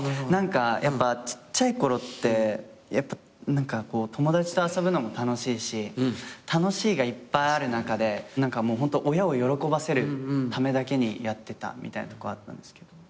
やっぱちっちゃいころって何かこう友達と遊ぶのも楽しいし楽しいがいっぱいある中でホント親を喜ばせるためだけにやってたみたいなとこあったんですけど。